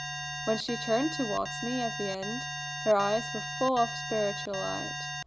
When she turned towards me at the end, her eyes were full of spiritual light.